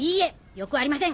よくありません！